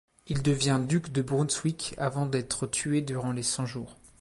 Il devient duc de Brunswick avant d'être tué durant les Cent-Jours.